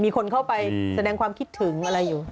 มีคนเข้าไปแสดงความคิดถึงอะไรอยู่